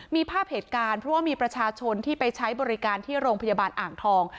มีภาพเหตุการณ์เพราะว่ามีประชาชนที่ไปใช้บริการที่โรงพยาบาลอ่างทอง